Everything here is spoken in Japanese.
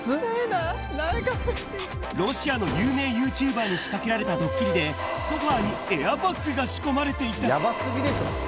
ロシアの有名ユーチューバーに仕掛けられたドッキリで、ソファにエアバッグが仕込まれてやばすぎでしょ？